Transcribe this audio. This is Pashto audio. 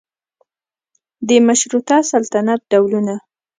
د مشروطه سلطنت ډولونه